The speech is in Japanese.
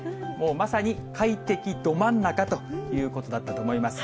まさに快適ど真ん中ということだったと思います。